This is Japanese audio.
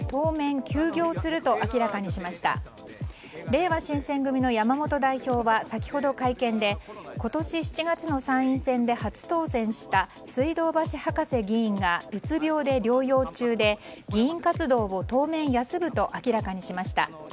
れいわ新選組の山本代表は先ほど、会見で今年７月の参院選で初当選した水道橋博士議員がうつ病で療養中で議員活動を当面休むと明らかにしました。